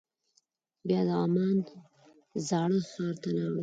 بیا د عمان زاړه ښار ته لاړو.